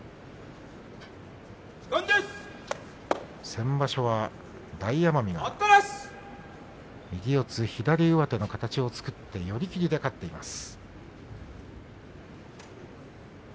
先場所は大奄美が、右四つ左上手の形を作って寄り切りで勝っています。